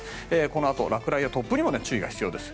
このあと落雷や突風にも注意が必要です。